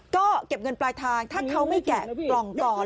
ก็เก็บเงินปลายทางถ้าเขาไม่แกะกล่องก่อน